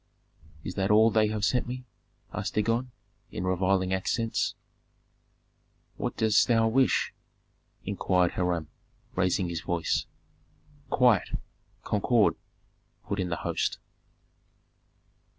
"Is that all they have sent me?" asked Dagon, in reviling accents. "What didst thou wish?" inquired Hiram, raising his voice. "Quiet! Concord!" put in the host.